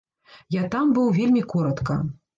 Я там быў вельмі коратка.